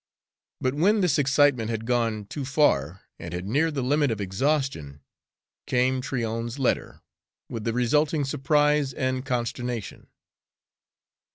But when this excitement had gone too far and had neared the limit of exhaustion came Tryon's letter, with the resulting surprise and consternation.